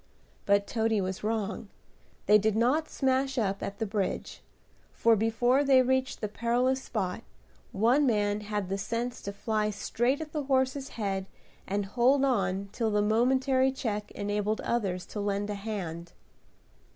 But Toady was wrong, they did not smash up at the bridge; for, before they reached the perilous spot, one man had the sense to fly straight at the horse's head and hold on till the momentary check enabled others to lend a hand.